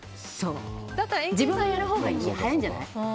自分がやるほうが早いんじゃない？